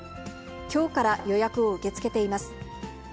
きょうから予約を受け付けています。